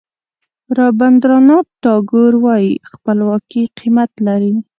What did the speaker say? رابندراناټ ټاګور وایي خپلواکي قیمت لري.